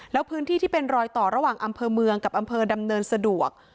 แล้วพื้นที่ที่เป็นรอยต่อระหว่างอำเภอเมืองกับอำเภอดำเนินสะดวก